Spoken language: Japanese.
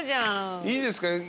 いいですか？